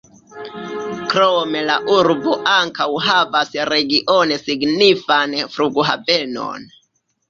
Krome la urbo ankaŭ havas regione signifan flughavenon.